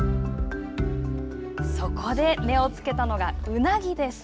そこで目をつけたのがうなぎです。